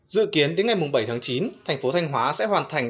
dự kiến đến ngày bảy tháng chín thành phố thanh hóa sẽ hoàn thành